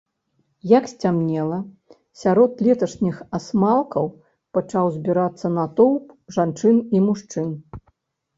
Як сцямнела, сярод леташніх асмалкаў пачаў збірацца натоўп жанчын і мужчын.